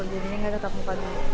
jadi nggak tetap muka dulu